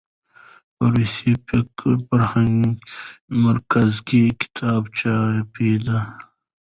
په روسي فرهنګي مرکز کې کتابونه چاپېدل.